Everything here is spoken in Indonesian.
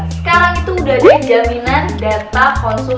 sekarang itu udah ada jaminan data konsumen